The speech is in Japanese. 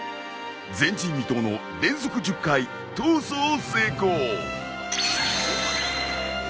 前人未到の連続１０回逃走成功。